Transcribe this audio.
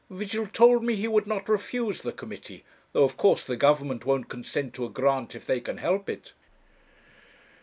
Vigil told me he would not refuse the Committee, though of course the Government won't consent to a grant if they can help it.'